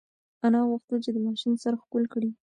انا غوښتل چې د ماشوم سر ښکل کړي.